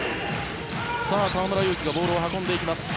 河村勇輝がボールを運んでいきます。